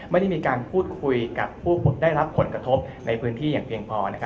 ไม่ได้มีการพูดคุยกับผู้ได้รับผลกระทบในพื้นที่อย่างเพียงพอ